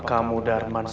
itutup walls ke atas